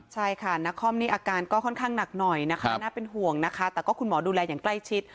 ใช่ค่ะนักคอมนี่อาการก็ค่อนข้างหนักหน่อยนะคะน่าเป็นห่วงนะคะแต่ก็คุณหมอดูแลอย่างใกล้ชิด